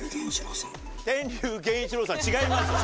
天龍源一郎さん違います。